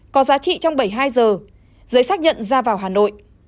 có giá trị trong bảy mươi hai giờ giấy xác nhận ra vào hà nội